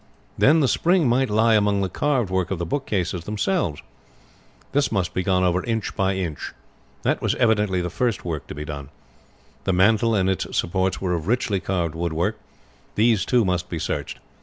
Then the spring might lie among the carved work of the bookcases themselves. This must be gone over inch by inch. That was evidently the first work to be done. The mantel and its supports were of richly carved woodwork. These, too, must be searched.